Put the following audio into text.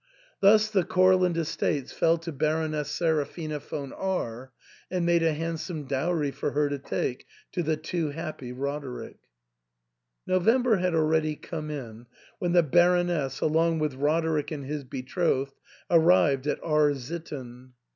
Thus the Courland estates fell to Bar oness Seraphina von R , and made a handsome dowry for her to take to the too happy Roderick. November had already come in when the Baron ess, along with Roderick and his betrothed, arrived at R — sitten.